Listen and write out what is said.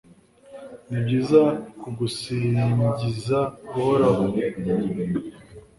Ni byiza kugusingiza Uhoraho